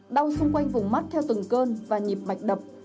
đau xung quanh vùng mắt theo từng cơn và nhịp mạch đập